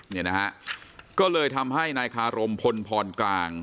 เนี่ยนะฮะก็เลยทำให้นายคารมพลพรกลาง